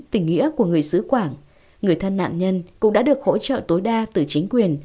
tình nghĩa của người xứ quảng người thân nạn nhân cũng đã được hỗ trợ tối đa từ chính quyền